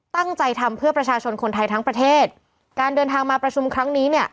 ตั้งใจทำเพื่อประชาชนคนไทยทั้งประเทศการเดินทางมาประชุมครั้งนี้เนี่ย